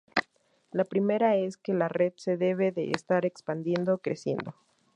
La primera es que la red se debe de estar expandiendo, creciendo.